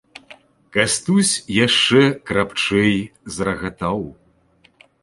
Кастусь яшчэ крапчэй зарагатаў.